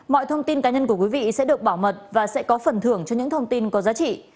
mọi thông tin cá nhân của quý vị sẽ được bảo mật và sẽ có phần thưởng cho những thông tin có giá trị